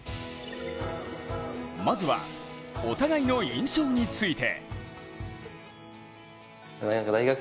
まずは、お互いの印象について。